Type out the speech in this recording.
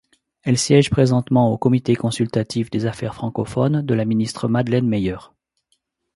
Elle siège présentement au Comité consultatif des affaires francophones de la ministre Madeleine Meilleur.